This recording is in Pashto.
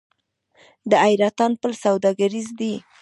د حیرتان پل سوداګریز دی